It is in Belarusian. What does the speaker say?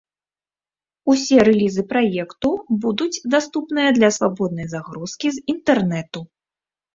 Усе рэлізы праекту будуць даступныя для свабоднай загрузкі з інтэрнэту.